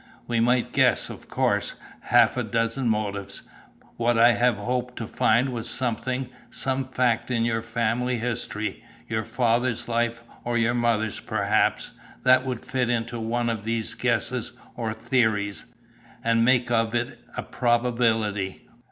"We might guess, of course, half a dozen motives. What I have hoped to find was something, some fact in your family history, your father's life, or your mother's, perhaps, that would fit into one of these guesses or theories, and make of it a probability."